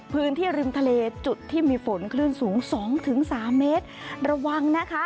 พื้นที่ริมทะเลจุดที่มีฝนคลื่นสูง๒๓เมตรระวังนะคะ